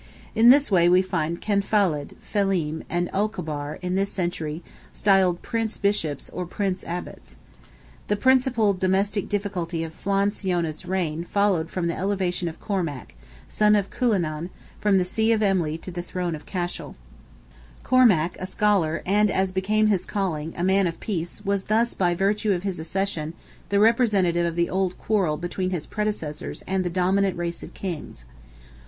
In this way we find Cenfalad, Felim, and Olcobar, in this century, styled Prince Bishops or Prince Abbots. The principal domestic difficulty of Flan Siona's reign followed from the elevation of Cormac, son of Cuillenan, from the see of Emly to the throne of Cashel. Cormac, a scholar, and, as became his calling, a man of peace, was thus, by virtue of his accession, the representative of the old quarrel between his predecessors and the dominant race of kings.